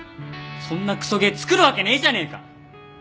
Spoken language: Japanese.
そんなクソゲー作るわけねえじゃねえか！